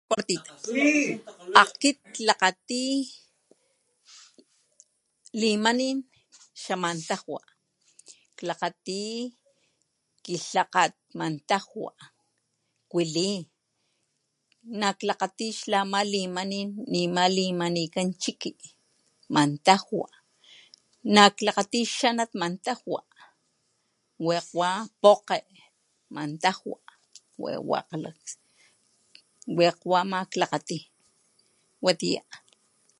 Akit klakgati limanin xamantajwa klakgati kilhakgat matajwa kuali naklakgati xlama limanin nema limakikan chiki matajwa naklakgati xanat mantajwa wakg wa pokge mantajwa wekg wa ma klakgatai watiya.